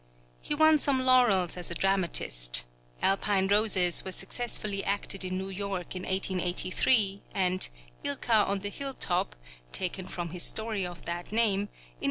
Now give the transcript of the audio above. He won some laurels as a dramatist: 'Alpine Roses' was successfully acted in New York in 1883, and 'Ilka on the Hilltop' (taken from his story of that name) in 1884.